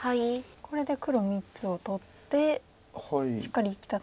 これで黒３つを取ってしっかり生きたと。